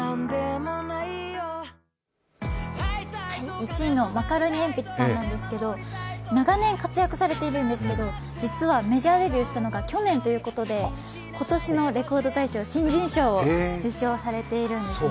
１位のマカロニえんぴつさんなんですけど長年活躍されているんですけど、実はメジャーデビューしたのが去年ということで、今年のレコード大賞新人賞を受賞されているんですね。